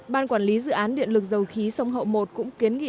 ban quản lý dự án điện lực dầu khí sông hậu một cũng kiến nghị